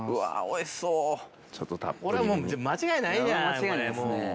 間違いないですね。